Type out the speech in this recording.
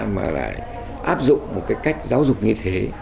mà lại áp dụng một cái cách giáo dục như thế